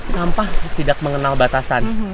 sampah tidak mengenal batasan